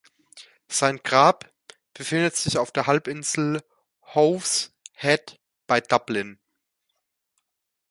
Sein Grab befindet sich auf der Halbinsel Howth Head bei Dublin.